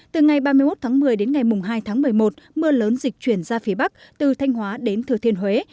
từ ngày ba mươi một tháng một mươi đến ngày hai tháng một mươi một mưa lớn dịch chuyển ra phía bắc từ thanh hóa đến thừa thiên huế